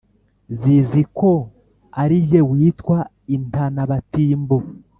zizi ko ari jye witwa intana-batimbo